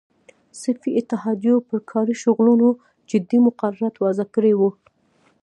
صنفي اتحادیو پر کاري شغلونو جدي مقررات وضع کړي وو.